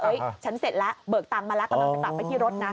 ฉันเสร็จแล้วเบิกตังค์มาแล้วกำลังจะกลับไปที่รถนะ